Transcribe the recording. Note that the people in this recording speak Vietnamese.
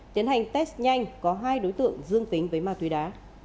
tiến hành test nhanh có hai đối tượng dương tính với ma túy đá